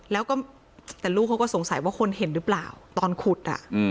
แล้วก็แต่ลูกเขาก็สงสัยว่าคนเห็นหรือเปล่าตอนขุด